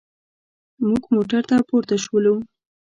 موږ موټر ته پورته شولو.